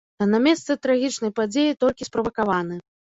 А на месцы трагічнай падзеі толькі справакаваны.